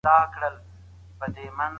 ښاروالو هڅه وکړه چې خپل ژوند خوندي کړي.